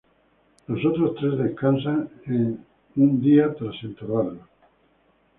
Los otros tres descansan un día tras enterrarlo.